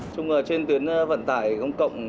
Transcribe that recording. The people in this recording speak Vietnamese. chúng ở trên tuyến vận tải công cộng